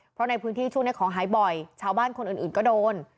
เพราะในพื้นที่ช่วงนี้ของหายบ่อยชาวบ้านคนอื่นก็โดน